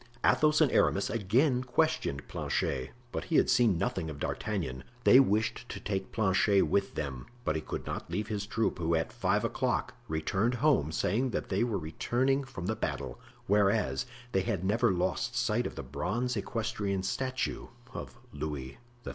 Athos and Aramis again questioned Planchet, but he had seen nothing of D'Artagnan; they wished to take Planchet with them, but he could not leave his troop, who at five o'clock returned home, saying that they were returning from the battle, whereas they had never lost sight of the bronze equestrian statue of Louis XIII.